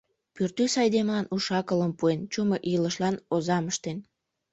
Пӱртӱс айдемылан уш-акылым пуэн, чумыр илышлан озам ыштен.